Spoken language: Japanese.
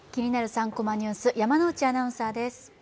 ３コマニュース」、山内アナウンサーです。